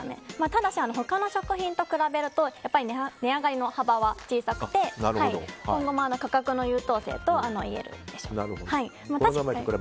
ただし、他の食品と比べると値上がりの幅は小さくて今後も価格の優等生と言えるでしょう。